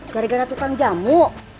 gara gara tukang jamu